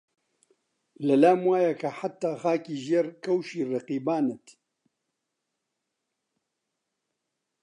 لەلام وایە کە حەتتا خاکی ژێرکەوشی ڕەقیبانت